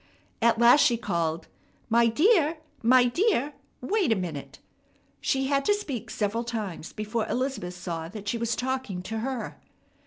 At last she called, "My dear, my dear, wait a minute." She had to speak several times before Elizabeth saw that she was talking to her.